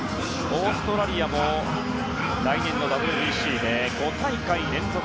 オーストラリアも来年のＷＢＣで５大会連続。